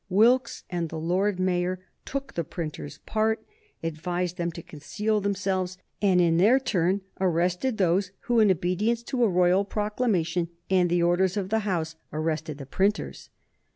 Wilkes and the Lord Mayor took the printers' part; advised them to conceal themselves; and in their turn arrested those who, in obedience to a royal proclamation and the orders of the House, arrested the printers.